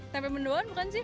tempe mendoan bukan sih